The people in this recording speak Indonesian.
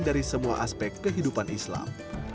dari semua aspek kehidupan islam